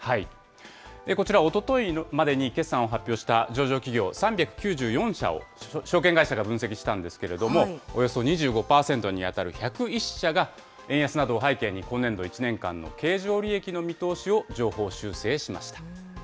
こちら、おとといまでに決算を発表した上場企業３９４社を証券会社が分析したんですけれども、およそ２５％に当たる１０１社が円安などを背景に、今年度１年間の経常利益の見通しを上方修正しました。